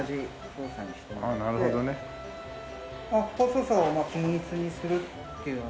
細さを均一にするっていう。